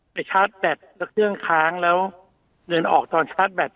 ชาร์จแบตแล้วเครื่องค้างแล้วเงินออกตอนชาร์จแบต